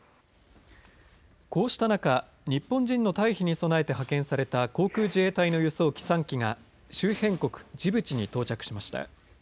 こうした中日本人の退避に備えて派遣された航空自衛隊の輸送機３機が周辺国ジブチに到着しました。